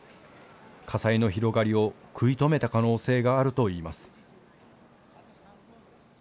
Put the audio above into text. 火災の広がりを食い止めた可能性があるといいます。